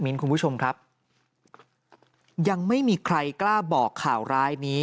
คุณผู้ชมครับยังไม่มีใครกล้าบอกข่าวร้ายนี้